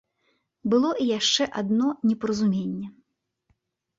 Было і яшчэ адно непаразуменне.